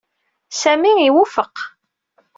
Sami iwufeq.